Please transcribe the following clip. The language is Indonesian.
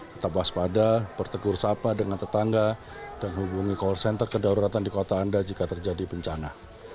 tetap waspada bertegur sapa dengan tetangga dan hubungi call center kedaruratan di kota anda jika terjadi bencana